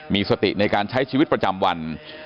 มีสติในการใช้ชีวิตประจำวัน